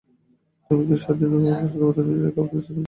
তুমি তো স্বাধীন, তোমার পছন্দমত নিজের কাজ বেছে নাও।